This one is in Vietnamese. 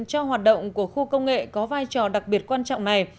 cho hoạt động của khu công nghệ có vai trò đặc biệt quan trọng này